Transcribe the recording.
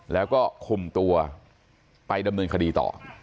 แล้วก็คุมตัวไปดำเนินคดีต่อ